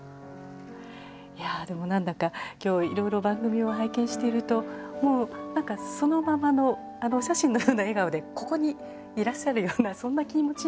いやでも何だか今日いろいろ番組を拝見しているともう何かそのままのあのお写真のような笑顔でここにいらっしゃるようなそんな気持ちにも。